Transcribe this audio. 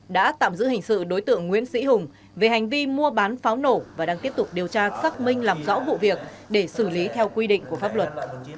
đã tạm giữ hình sự đối tượng nguyễn sĩ hùng về hành vi mua bán pháo nổ và đang tiếp tục điều tra xác minh làm rõ vụ việc để xử lý theo quy định của pháp luật